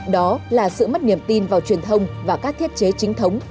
đó là sự mất niềm tin vào truyền thông và các thiết chế chính thống